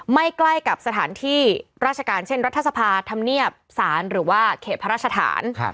ใกล้กับสถานที่ราชการเช่นรัฐสภาธรรมเนียบศาลหรือว่าเขตพระราชฐาน